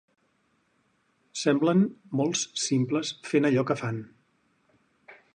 Semblen molts simples fent allò que fan.